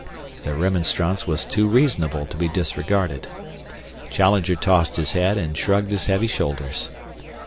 The remonstrance was too reasonable to be disregarded. Challenger tossed his head and shrugged his heavy shoulders.